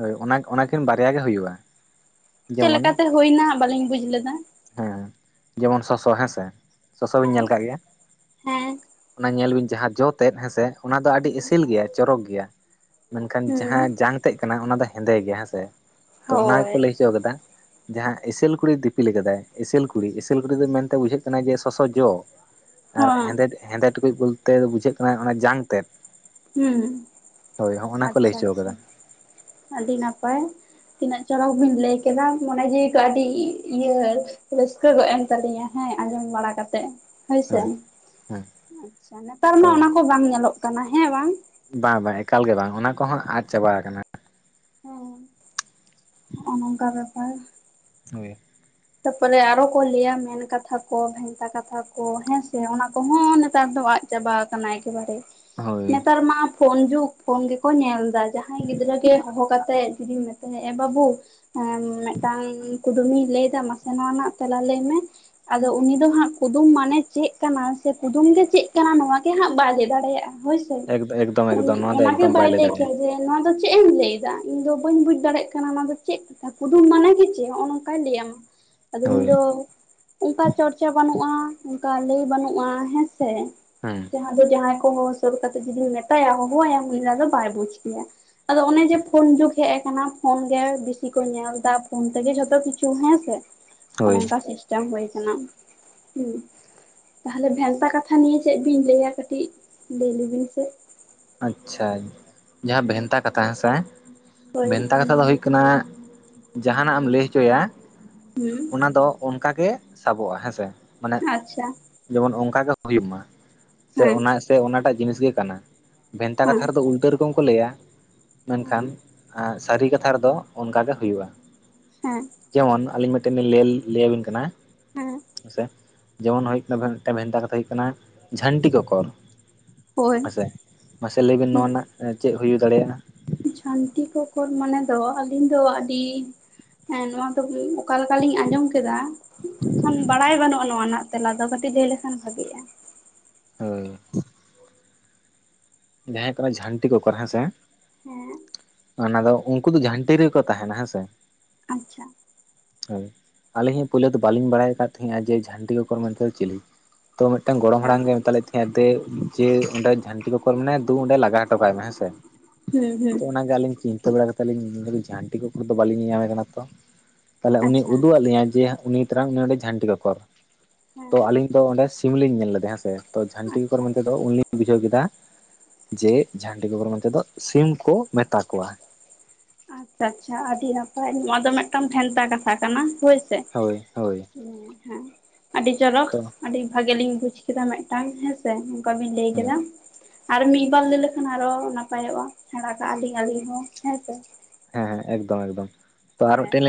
Speaker 2: ᱦᱳᱭ ᱚᱱᱟ ᱚᱱᱟᱠᱤᱱ ᱵᱟᱨᱭᱟ ᱜᱮ ᱦᱩᱭᱩᱜ-ᱟ᱾
Speaker 1: ᱪᱮᱫ ᱞᱮᱠᱟᱛᱮ ᱦᱩᱭᱱᱟ ᱵᱟᱹᱞᱤᱧ ᱵᱩᱡ ᱞᱮᱫᱟ
Speaker 2: ᱦᱮᱸ ᱡᱮᱢᱚᱱ ᱥᱚᱥᱚ ᱦᱮᱸᱥᱮ ᱥᱚᱥᱚ ᱵᱤᱱ
Speaker 1: ᱦᱮᱸ
Speaker 2: ᱧᱮᱞ ᱠᱟᱜ ᱜᱮᱭᱟ
Speaker 1: ᱦᱮᱸ
Speaker 2: ᱚᱱᱟ ᱧᱮᱞ ᱵᱤᱱ ᱡᱟᱦᱟᱸ ᱡᱚ ᱛᱮᱫ ᱦᱮᱸᱥᱮ ᱚᱱᱟ ᱫᱚ ᱟᱹᱰᱤ
Speaker 1: ᱦᱩᱸ
Speaker 2: ᱮᱥᱮᱞ ᱜᱮᱭᱟ, ᱪᱚᱨᱚᱠ ᱜᱮᱭᱟ ᱢᱮᱱᱠᱷᱟᱱ
Speaker 1: ᱦᱩᱸ
Speaker 2: ᱡᱟᱦᱟᱸ ᱡᱟᱝ ᱛᱮᱜ ᱠᱟᱱᱟ ᱚᱱᱟ ᱫᱚ ᱦᱮᱸᱫᱮ ᱜᱮᱭᱟ ᱦᱮᱸᱥᱮ, ᱛᱚ ᱚᱱᱟ
Speaker 1: ᱦᱳᱭ
Speaker 2: ᱜᱮᱠᱚ ᱞᱟᱹᱭ ᱦᱚᱪᱚ ᱠᱟᱫᱟ ᱡᱟᱦᱟᱸ ᱮᱥᱮᱞ ᱠᱩᱲᱤᱭ ᱫᱤᱯᱤᱞ ᱠᱟᱫᱟᱭ ᱮᱥᱮᱞ ᱠᱩᱲᱤ ᱮᱥᱮᱞ ᱠᱩᱲᱤ ᱫᱚ ᱢᱮᱱᱛᱮ ᱵᱩᱡᱷᱟᱹᱜ ᱠᱟᱱᱟ ᱡᱮ ᱥᱚᱥᱚ ᱡᱚ
Speaker 1: [inaudible]
Speaker 2: ᱟᱨ ᱦᱮᱸᱫᱮ ᱦᱮᱸᱫᱮ ᱴᱩᱠᱩᱡ ᱵᱚᱞᱛᱮ ᱵᱩᱡᱷᱟᱹᱜ ᱠᱟᱱᱟ ᱚᱱᱟ ᱡᱟᱝ ᱛᱮᱫ
Speaker 1: ᱦᱩᱸ
Speaker 2: ᱦᱳᱭ ᱦᱚᱸᱜ ᱚᱱᱟ ᱠᱚ ᱞᱟᱹᱭ
Speaker 1: ᱟᱪᱪᱷᱟ
Speaker 2: ᱦᱚᱪᱚ
Speaker 1: ᱟᱪᱪᱷᱟ
Speaker 2: ᱠᱟᱫᱟ
Speaker 1: ᱟᱹᱰᱤ ᱱᱟᱯᱟᱭ ᱛᱤᱱᱟᱹᱜ ᱪᱚᱨᱚᱠ ᱵᱤᱱ ᱞᱟᱹᱭ ᱠᱮᱫᱟ ᱢᱚᱱᱮ ᱡᱤᱭᱤ ᱠᱚ ᱟᱹᱰᱤ ᱤᱭᱟᱹ ᱨᱟᱹᱥᱠᱟᱹ ᱜᱚᱫ ᱮᱱ ᱛᱟᱞᱤᱧᱟ ᱦᱮᱸ ᱟᱸᱡᱚᱢ ᱵᱟᱲᱟ ᱠᱟᱛᱮᱜ ᱦᱳᱭᱥᱮ
Speaker 2: ᱦᱳᱭ ᱦᱮᱸ
Speaker 1: ᱾ ᱟᱪᱪᱷᱟ ᱱᱮᱛᱟᱨ ᱢᱟ
Speaker 2: ᱛᱚ
Speaker 1: ᱚᱱᱟ ᱠᱚ ᱵᱟᱝ ᱧᱮᱞᱚᱜ ᱠᱟᱱᱟ ᱦᱮᱸ ᱵᱟᱝ?
Speaker 2: ᱵᱟᱝ ᱵᱟᱝ ᱮᱠᱟᱞ ᱜᱮ ᱵᱟᱝ, ᱚᱱᱟ ᱠᱚᱦᱚᱸ ᱟᱫ ᱪᱟᱵᱟ ᱟᱠᱟᱱᱟ ᱾
Speaker 1: ᱚᱸ ᱾ ᱦᱚᱜᱼᱚ ᱱᱚᱝᱠᱟ ᱵᱮᱯᱟᱨ
Speaker 2: ᱦᱳᱭ
Speaker 1: ᱛᱟᱯᱚᱨᱮ ᱟᱨᱚ ᱠᱚ ᱞᱟᱹᱭᱼᱟ ᱢᱮᱱ ᱠᱟᱛᱷᱟ ᱠᱚ, ᱵᱷᱮᱱᱛᱟ ᱠᱟᱛᱷᱟ ᱠᱚ ᱦᱮᱸᱥᱮ ᱚᱱᱟ ᱠᱚᱦᱚᱸ ᱱᱮᱛᱟᱨ ᱫᱚ ᱟᱫ ᱪᱟᱵᱟ ᱠᱟᱱᱟ ᱮᱠᱮ ᱵᱟᱨᱮ
Speaker 2: ᱦᱳᱭ
Speaker 1: ᱾ ᱱᱮᱛᱟᱨ ᱢᱟ ᱯᱷᱳᱱ ᱡᱩᱜᱽ ᱯᱷᱳᱱ ᱜᱮᱠᱚ ᱧᱮᱞ ᱫᱟ ᱾ ᱡᱟᱦᱟᱭ ᱜᱤᱫᱽᱨᱟᱹ ᱜᱮ ᱦᱚᱦᱚ ᱠᱟᱛᱮᱜ ᱡᱩᱫᱤ ᱢᱮᱛᱟᱹᱭᱟ ᱮ ᱵᱟᱹᱵᱩ ᱮᱸ ᱢᱤᱫᱴᱟᱝ ᱠᱩᱫᱩᱢᱤᱧ ᱞᱟᱹᱭᱫᱟ ᱢᱟᱥᱮ ᱱᱚᱣᱟ ᱨᱮᱱᱟᱜ ᱛᱮᱞᱟ ᱞᱟᱹᱭ ᱢᱮ ᱟᱫᱚ ᱩᱱᱤ ᱫᱚ ᱦᱟᱸᱜ ᱠᱩᱫᱩᱢ ᱢᱟᱱᱮ ᱪᱮᱜ ᱠᱟᱱᱟ ᱥᱮ ᱠᱩᱫᱩᱢ ᱜᱮ ᱪᱮᱜ ᱠᱟᱱᱟ ᱱᱚᱣᱟ ᱜᱮ ᱦᱟᱸᱜ ᱵᱟᱭ ᱵᱟᱭ ᱞᱮᱫᱟᱲᱮᱭᱟᱜᱼᱟ ᱦᱳᱭ ᱥᱮ
Speaker 2: ᱮᱠᱫᱚᱢ ᱮᱠᱫᱚᱢ ᱮᱠᱫᱚᱢ ᱱᱚᱣᱟ ᱫᱚ
Speaker 1: ᱚᱱᱟ ᱜᱮ
Speaker 2: ᱮᱠᱫᱚᱢ
Speaker 1: ᱵᱟᱭ
Speaker 2: ᱞᱟᱹᱭ
Speaker 1: ᱞᱮ ᱠᱮᱭᱟ
Speaker 2: ᱫᱟᱲᱮᱭᱟᱜᱼᱟ
Speaker 1: ᱡᱮ ᱱᱚᱣᱟ ᱫᱚ ᱪᱮᱫ ᱮᱢ ᱞᱟᱹᱭ ᱫᱟ ᱤᱧ ᱫᱚ ᱵᱟᱹᱧ ᱵᱩᱡ ᱫᱟᱲᱮᱭᱟᱜ ᱠᱟᱱᱟ ᱱᱚᱣᱟ ᱫᱚ ᱪᱮᱫ ᱠᱩᱫᱩᱢ ᱢᱟᱱᱟᱮ ᱜᱮ ᱪᱮᱫ ᱦᱚᱸᱜᱼᱚᱸ ᱱᱚᱝᱠᱟᱭ ᱞᱟᱹᱭ ᱟᱢᱟ ᱟᱫᱚ ᱩᱱᱤ
Speaker 2: ᱦᱳᱭ
Speaker 1: ᱫᱚ ᱚᱱᱠᱟ ᱪᱚᱨᱪᱟ ᱵᱟᱹᱱᱩᱜᱼᱟ ᱚᱱᱠᱟ ᱞᱟᱹᱭ ᱵᱟᱹᱱᱩᱜᱼᱟ ᱦᱮᱸᱥᱮ
Speaker 2: ᱦᱩᱸ
Speaker 1: ᱡᱟᱦᱟ ᱫᱚ ᱡᱟᱦᱟᱭ ᱠᱚ ᱦᱚᱦᱚ ᱥᱮᱛ ᱠᱟᱛᱮ ᱡᱩᱫᱤᱢ ᱢᱮᱛᱟᱭᱟ ᱦᱚᱦᱚᱣᱟᱢ ᱩᱱᱤᱫᱚ ᱟᱫᱚ ᱵᱟᱭ ᱵᱩᱡᱽᱠᱮᱭᱟ ᱾ ᱟᱫᱚ ᱚᱱᱮ ᱡᱮ ᱯᱷᱳᱱ ᱡᱩᱜ ᱦᱮᱡ ᱠᱟᱱᱟ ᱾ ᱯᱷᱳᱱ ᱜᱮ ᱵᱤᱥᱤ ᱠᱚ ᱧᱮᱞ ᱫᱟ ᱯᱷᱳᱱ ᱛᱮᱜᱮ ᱡᱷᱚᱛᱚ ᱠᱤᱪᱷᱩ ᱦᱮᱸᱥᱮ ᱚᱱᱮ
Speaker 2: ᱦᱳᱭ
Speaker 1: ᱚᱱᱠᱟ ᱥᱤᱥᱴᱮᱢ ᱦᱩᱭ ᱠᱟᱱᱟ ᱾ ᱛᱟᱦᱚᱞᱮ ᱵᱷᱮᱱᱛᱟ ᱠᱟᱛᱷᱟ ᱱᱤᱭᱟᱹ ᱪᱮᱫ ᱵᱤᱱ ᱞᱟᱹᱭᱟ ᱠᱟᱹᱴᱤᱡ ᱞᱟᱹᱭ ᱞᱮᱵᱤᱱ ᱥᱮ
Speaker 2: ᱟᱪᱪᱷᱟ ᱡᱟᱦᱟᱸ ᱵᱷᱮᱱᱛᱟ ᱠᱟᱛᱷᱟ ᱦᱮᱸᱥᱮ
Speaker 1: ᱦᱳᱭ
Speaker 2: ᱵᱷᱮᱱᱛᱟ ᱠᱟᱛᱷᱟ ᱫᱚ ᱦᱩᱭᱩᱜ ᱠᱟᱱᱟ ᱡᱟᱦᱟᱱᱟᱜ ᱮᱢ ᱞᱟᱹᱭ ᱦᱚᱪᱚᱭᱟ
Speaker 1: ᱦᱩᱸ
Speaker 2: ᱚᱱᱟ ᱫᱚ ᱚᱱᱠᱟ ᱜᱮ ᱥᱟᱵᱚᱜᱼᱟ ᱦᱮᱸᱥᱮ ᱢᱟᱱᱮ
Speaker 1: ᱟᱪᱪᱷᱟ
Speaker 2: ᱡᱮᱢᱚᱱ ᱚᱱᱠᱟ ᱜᱮ ᱦᱩᱭᱩᱜ ᱢᱟ ᱥᱮ
Speaker 1: ᱦᱮᱸ
Speaker 2: ᱚᱱᱟ ᱥᱮ ᱚᱱᱟᱴᱟᱜ ᱡᱤᱱᱤᱥ ᱜᱮ ᱠᱟᱱᱟ ᱾ ᱵᱷᱮᱱᱛᱟ
Speaker 1: ᱦᱮᱸ
Speaker 2: ᱠᱟᱛᱷᱟ ᱨᱮᱫᱚ ᱩᱞᱴᱟᱹ ᱨᱚᱠᱚᱢ ᱠᱚ ᱞᱟᱹᱭᱟ ᱾ ᱢᱮᱱᱠᱷᱟᱱ ᱟᱨ ᱥᱟᱹᱨᱤ ᱠᱟᱛᱷᱟ ᱨᱮᱫᱚ ᱚᱱᱠᱟ ᱜᱮ ᱦᱩᱭᱩᱜᱼᱟ ᱾
Speaker 1: ᱦᱮᱸ
Speaker 2: ᱡᱮᱢᱚᱱ ᱟᱹᱞᱤᱧ ᱢᱤᱫᱴᱮᱱ ᱞᱤᱧ ᱞᱟᱹᱞᱟᱹᱭᱟᱵᱤᱱ ᱠᱟᱱᱟ
Speaker 1: ᱦᱮᱸ
Speaker 2: ᱦᱮᱸᱥ ᱥᱮ ᱡᱮᱢᱚᱱ ᱦᱩᱭᱩᱜ ᱠᱟᱱᱟ ᱢᱤᱫᱴᱮᱱ ᱵᱷᱮᱱᱛᱟ ᱠᱟᱛᱷᱟ ᱦᱩᱭᱩᱜ ᱠᱟᱱᱟ ᱡᱷᱟᱹᱱᱴᱤ ᱠᱚᱠᱚᱨ
Speaker 1: ᱦᱳᱭ
Speaker 2: ᱦᱮᱸᱥᱮ ᱢᱟᱥᱮ ᱞᱟᱹᱭᱵᱤᱱ ᱱᱚᱣᱟ ᱨᱮᱱᱟᱜ ᱪᱮᱫ ᱦᱩᱭ ᱫᱟᱲᱮᱭᱟᱜᱼᱟ?
Speaker 1: ᱡᱷᱟᱱᱴᱤ ᱠᱚᱠᱚᱨ ᱢᱟᱱᱮ ᱫᱚ ᱟᱹᱞᱤᱧ ᱫᱚ ᱟᱹᱰᱤ ᱦᱮᱸ ᱱᱚᱶᱟ ᱫᱚ ᱠᱤ ᱚᱠᱟ ᱞᱮᱠᱟᱞᱤᱧ ᱟᱡᱚᱢ ᱠᱮᱫᱟ ᱠᱷᱟᱱ ᱵᱟᱲᱟᱭ ᱵᱟᱹᱱᱩᱜᱼᱟ ᱱᱚᱣᱟ ᱨᱮᱱᱟᱜ ᱛᱮᱞᱟ ᱫᱚ ᱾ ᱠᱟᱹᱴᱤᱡ ᱵᱤᱱ ᱞᱟᱹᱭ ᱞᱮᱠᱷᱟᱱ ᱵᱷᱟᱜᱤᱜᱼᱟ
Speaker 2: ᱦᱳᱭ ᱡᱟᱦᱟᱭ ᱠᱟᱱᱟᱭ ᱡᱷᱟᱹᱱᱴᱤ ᱠᱚᱠᱚᱨ ᱦᱮᱸᱥᱮ
Speaker 1: ᱦᱮᱸ
Speaker 2: ᱚᱱᱟ ᱫᱚ ᱩᱱᱠᱩ ᱫᱚ ᱡᱷᱟᱹᱱᱴᱤ ᱨᱮᱜᱮᱠᱚ ᱛᱟᱦᱮᱱᱟ ᱦᱮᱸ ᱥᱮ ᱾
Speaker 1: ᱟᱪᱪᱷᱟ
Speaker 2: ᱦᱳᱭ‌ ᱾ ᱟᱹᱞᱤᱧ ᱦᱚᱸ ᱯᱳᱭᱞᱳ ᱫᱚ ᱵᱟᱹᱞᱤᱧ ᱵᱟᱲᱟᱭ ᱠᱟᱱ ᱛᱟᱦᱮᱸᱱᱟ ᱡᱮ ᱡᱷᱟᱹᱱᱴᱤ ᱠᱚᱠᱚᱨ ᱢᱮᱱᱛᱮ ᱫᱚ ᱪᱤᱞᱤ ᱛᱚ ᱢᱤᱫᱴᱟᱝ ᱜᱚᱲᱚᱢ
Speaker 1: ᱟᱪᱪᱷᱟ
Speaker 2: ᱦᱟᱲᱟᱢ ᱜᱮ ᱢᱮᱛᱟᱜᱼᱞᱤᱧ ᱛᱟᱦᱮᱸᱱᱟ ᱫᱮ ᱡᱮ ᱚᱸᱰᱮ ᱡᱷᱟᱹᱱᱴᱤ ᱠᱚ ᱛᱟᱨ ᱢᱟᱱᱮ ᱫᱩ ᱚᱸᱰᱮ ᱞᱟᱜᱟ ᱦᱚᱴᱚ ᱠᱟᱭ ᱢᱮ ᱦᱮᱸᱥᱮ
Speaker 1: ᱦᱩᱸ
Speaker 2: ᱛᱚ
Speaker 1: ᱦᱩᱸ
Speaker 2: ᱚᱱᱟᱜᱮ ᱟᱞᱤᱧ ᱪᱤᱱ ᱡᱚᱛᱚ ᱵᱮᱲᱟ ᱜᱮᱛᱚ ᱞᱤᱧ ᱧᱮᱫᱟᱞᱤᱧ ᱡᱷᱟᱱᱴᱤ ᱠᱚᱠᱚᱨ ᱫᱚ ᱵᱟᱞᱤᱧ ᱧᱮᱧᱟᱢᱮ ᱠᱟᱱᱟ ᱛᱚ ᱛᱟᱦᱚᱞᱮ ᱩᱱᱤ
Speaker 1: ᱟᱪᱪᱷᱟ
Speaker 2: ᱩᱫᱩᱜ ᱟᱜ ᱞᱤᱧᱟᱭ ᱡᱮ ᱩᱱᱤ ᱛᱟᱨᱟᱱ ᱩᱱᱤ ᱚᱸᱰᱮ ᱡᱷᱟᱹᱱᱴᱤ ᱠᱚᱠᱚᱨ ᱾ ᱛᱚ
Speaker 1: ᱦᱮᱸ
Speaker 2: ᱟᱹᱞᱤᱧ ᱫᱚ ᱚᱸᱰᱮ ᱥᱤᱢ ᱞᱤᱧ ᱧᱮᱞ ᱞᱮᱫᱮᱭᱟ ᱦᱮᱸ ᱥᱮ, ᱛᱚ ᱡᱷᱟᱹᱱᱴᱤ ᱠᱚᱠᱚᱨ
Speaker 1: ᱟᱪᱪᱷᱟ
Speaker 2: ᱢᱮᱱ ᱛᱮᱫᱚ ᱩᱱᱞᱤᱧ ᱵᱩᱡᱷᱟᱹᱣ ᱠᱮᱫᱟ ᱡᱮ ᱡᱷᱟᱹᱱᱴᱤ ᱠᱚᱠᱚᱨ ᱢᱮᱱᱛᱮ ᱫᱚ ᱥᱤᱢ ᱠᱚ ᱢᱮᱛᱟ ᱠᱚᱣᱟ ᱾
Speaker 1: ᱟᱪᱪᱷᱟ ᱟᱪᱪᱷᱟ ᱟᱹᱰᱤ ᱱᱟᱯᱟᱭ ᱾ ᱱᱚᱣᱟ ᱫᱚ ᱢᱤᱫᱴᱟᱝ ᱵᱷᱮᱱᱛᱟ ᱠᱟᱛᱷᱟ ᱠᱟᱱᱟ ᱦᱳᱭ ᱥᱮ
Speaker 2: ᱦᱳᱭ ᱦᱳᱭ
Speaker 1: ᱦᱮᱸ ᱦᱟᱜ ᱟᱹᱰᱤ ᱪᱚᱨᱚᱠ
Speaker 2: ᱛᱚ
Speaker 1: ᱟᱹᱰᱤ ᱵᱷᱟᱜᱮ ᱞᱤᱧ ᱵᱩᱡ ᱠᱮᱫᱟ ᱢᱤᱫᱴᱟᱝ ᱦᱮᱸᱥᱮ ᱚᱱᱠᱟ ᱵᱤᱱ ᱞᱟᱹᱭ
Speaker 2: ᱦᱳᱭ
Speaker 1: ᱠᱮᱫᱟ ᱟᱨ ᱢᱤᱫᱵᱟᱨ ᱞᱟᱹᱭ ᱞᱮᱠᱷᱟᱱ ᱟᱨᱦᱚ ᱱᱟᱯᱟᱭᱚᱜᱼᱟ ᱥᱮᱸᱬᱟ ᱠᱟᱜᱼᱟ ᱞᱤᱧ ᱟᱹᱞᱤᱧ ᱦᱚᱸ ᱦᱮᱸᱥᱮᱸ
Speaker 2: ᱦᱮᱸ ᱦᱮᱸ ᱮᱠᱫᱚᱢ ᱮᱠᱫᱚᱢ ᱛᱚ ᱟᱨᱦᱚᱸ ᱢᱤᱫᱴᱮᱱ
Speaker 1: ᱦᱮᱸ
Speaker 2: ᱞᱤᱧ ᱞᱮ